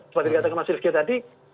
seperti yang dikatakan mas sirifki tadi